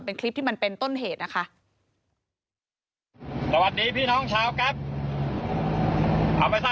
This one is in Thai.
เป็นคลิปที่มันเป็นต้นเหตุนะคะ